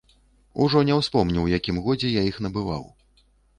Ужо не ўспомню, у якім годзе я іх набываў.